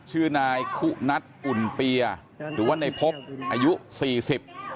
ชื่อนายคุณัทอุ่นเปียหรือว่าในพบอายุสี่สิบ